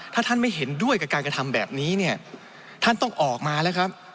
ถ้าท่านไม่เห็นด้วยกับการกระทำแบบนี้เนี่ยท่านต้องออกมาแล้วครับ